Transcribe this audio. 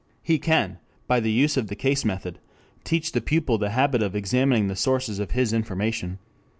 He can, by the use of the case method, teach the pupil the habit of examining the sources of his information.